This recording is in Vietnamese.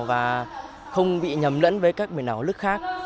và không bị nhầm lẫn với các biển đảo nước khác